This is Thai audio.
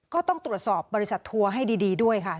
ก็ต้องตรวจสอบบริษัททัวร์ให้ดีด้วยค่ะ